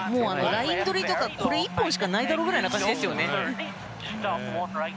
ライン取りとかこれ１本しかないだろうぐらいな感じですよね。